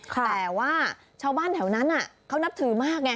แต่ว่าชาวบ้านแถวนั้นเขานับถือมากไง